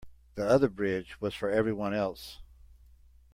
The other bridge was for everyone else.